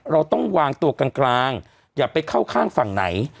เราต้องวางตัวกลางอย่าไปเข้าข้างฝั่งไหน